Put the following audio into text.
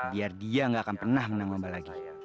biar dia tidak akan pernah menanggung saya